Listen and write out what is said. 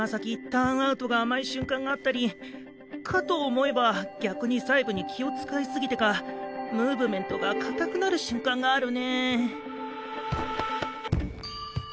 ターンアウトが甘い瞬間があったりかと思えば逆に細部に気を遣い過ぎてかムーブメントが固くなる瞬間があるねぇ。